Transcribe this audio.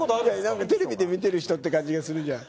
何かテレビで見てる人って感じがするじゃん。